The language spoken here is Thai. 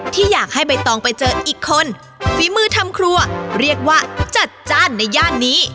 ที่อยากให้ใบตองไปเจออีกคนฝีมือทำครัวเรียกว่าจัดจ้านในย่านนี้